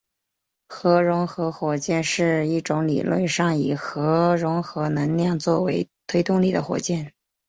核融合火箭是一种理论上以核融合能量作为推动力的火箭。